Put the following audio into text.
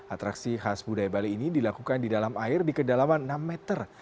atraksi khas budaya bali ini dilakukan di dalam air di kedalaman enam meter